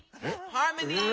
ハーモニー？